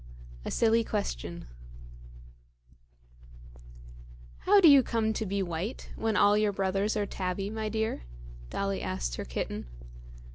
A Silly Question "HOW do you come to be white, when all your brothers are tabby, my dear?" Dolly asked her kitten.